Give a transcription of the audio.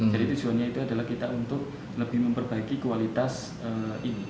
jadi tujuannya itu adalah kita untuk lebih memperbaiki kualitas ini